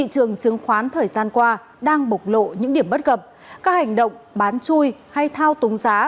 trường khoán thời gian qua đang bộc lộ những điểm bất cập các hành động bán chui hay thao túng giá